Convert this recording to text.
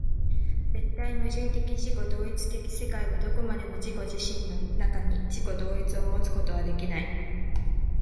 絶対矛盾的自己同一的世界はどこまでも自己自身の中に、自己同一をもつことはできない。